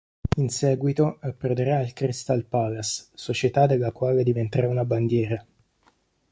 In seguito approderà al Crystal Palace, società della quale diventerà una bandiera.